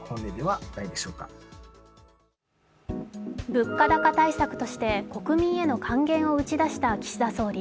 物価高対策として国民への還元を打ち出した岸田総理。